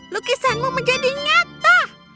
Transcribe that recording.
lukisanmu menjadi nyata